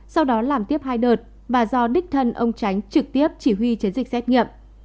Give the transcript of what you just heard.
sau đó làm tiếp hai đợt và do đích thân ông tránh trực tiếp chỉ huy chiến dịch xét nghiệm